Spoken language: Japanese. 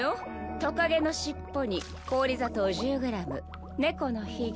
トカゲの尻尾に氷砂糖１０ｇ猫のひげ。